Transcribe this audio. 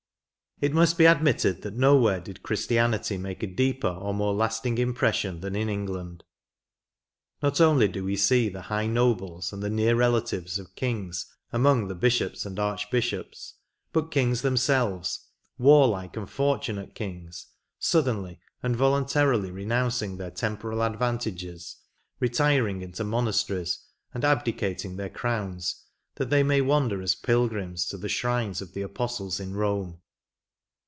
It must be admitted that nowhere did Chris tianity make a deeper or more lasting impression than in England. Not only do we see the high nobles, and the near relatives of kings among the bishops and archbishops, but kings themselves — warUke and fortunate kings — suddenly and vo luntarily renouncing their temporal advantages, re tiring into monasteries, and abdicating their crowns, that they may wander as pilgrims to the shrines of the apostles in Bome.